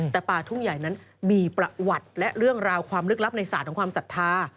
แต่ป่าทุ่งใหญ่นั้นมีประวัติและเรื่องราวความลึกลับในศาสตร์ของความศรัทธา